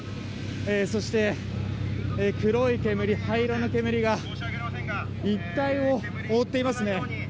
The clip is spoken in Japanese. そして黒い煙、灰色の煙が一帯を覆っていますね。